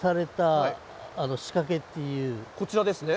こちらですね。